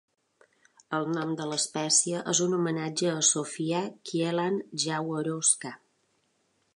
El nom de l'espècie és un homenatge a Zofia Kielan-Jaworowska.